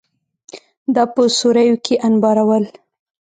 دا په سوریو کې انبارول.